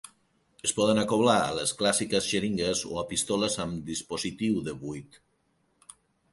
Es poden acoblar a les clàssiques xeringues o a pistoles amb dispositiu de buit.